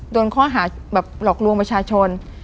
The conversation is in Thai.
โดนข้อหาแบบหลอกลวงประชาชน